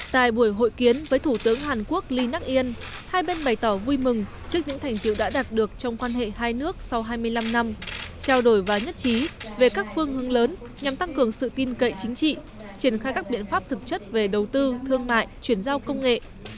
tại buổi hội kiến với thủ tướng hàn quốc lee nak yên hai bên bày tỏ vui mừng trước những thành tiệu đã đạt được trong quan hệ hai nước sau hai mươi năm năm trao đổi và nhất trí về các phương hướng lớn nhằm tăng cường sự tin cậy chính trị triển khai các biện pháp thực chất về đầu tư thương mại chuyển giao công nghệ